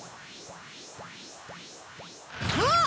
あっ！